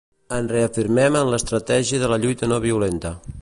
Ens reafirmem en l’estratègia de la lluita no violenta.